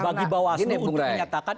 bagi bawaslu untuk menyatakan